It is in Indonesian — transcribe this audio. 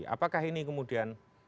apakah ini kemudian